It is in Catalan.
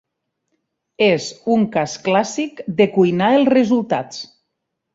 És un cas clàssic de cuinar els resultats.